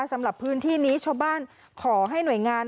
สำหรับพื้นที่นี้ชาวบ้านขอให้หน่วยงาน